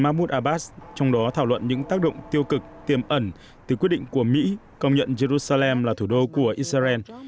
mahmoud abbas trong đó thảo luận những tác động tiêu cực tiềm ẩn từ quyết định của mỹ công nhận jerusalem là thủ đô của israel